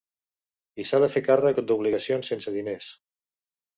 I s’ha de fer càrrec d’obligacions sense diners.